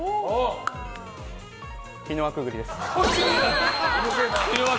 火の輪くぐりです。